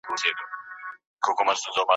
کمی نه وو د طلا د جواهرو